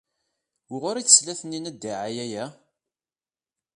Wuɣur ay tesla Taninna ddiɛaya-a?